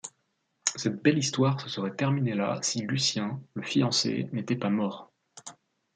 Cette belle histoire se serait terminée là si Lucien, le fiancé, n'était pas mort.